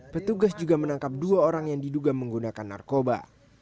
petugas juga menangkap dua orang yang diduga menggunakan narkoba